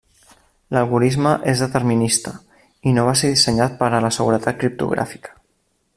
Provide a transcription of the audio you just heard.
L'algorisme és determinista i no va ser dissenyat per a la seguretat criptogràfica.